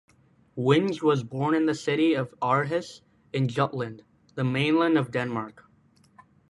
Winge was born in the city of Aarhus in Jutland, the mainland of Denmark.